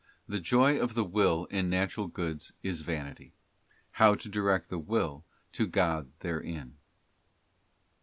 The Joy of the Will in Natural Goods is Vanity. How to direct the Will to God therein.